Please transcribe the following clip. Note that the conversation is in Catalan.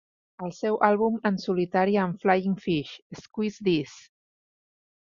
El seu àlbum en solitari amb Flying Fish, Squeeze This!